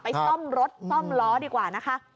ซ่อมรถซ่อมล้อดีกว่านะคะ